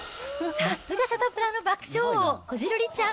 さすがサタプラの爆笑王、こじるりちゃん。